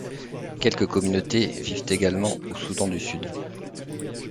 Quelques communautés vivent également au Soudan du Sud.